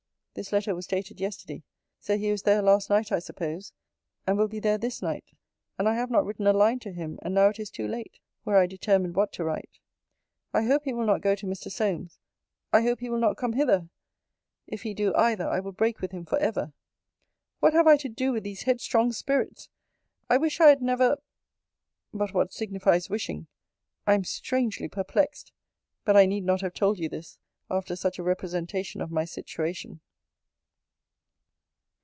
This letter was dated yesterday: so he was there last night, I suppose; and will be there this night; and I have not written a line to him: and now it is too late, were I determined what to write. I hope he will not go to Mr. Solmes. I hope he will not come hither. If he do either, I will break with him for ever. What have I to do with these headstrong spirits? I wish I had never but what signifies wishing? I am strangely perplexed: but I need not have told you this, after such a representation of my situation.